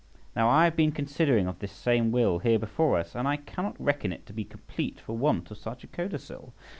Now I have been considering of this same will here before us, and I cannot reckon it to be complete for want of such a codicil.